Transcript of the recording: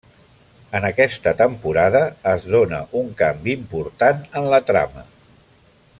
En aquesta temporada es dóna un canvi important en la trama.